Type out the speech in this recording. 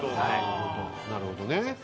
なるほどね。